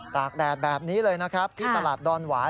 กแดดแบบนี้เลยนะครับที่ตลาดดอนหวาย